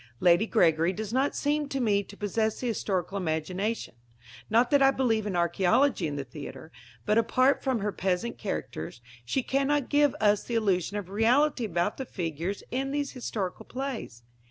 Lady Gregory does not seem to me to possess the historical imagination. Not that I believe in archaeology in the theatre; but, apart from her peasant characters, she cannot give us the illusion of reality about the figures in these historical plays.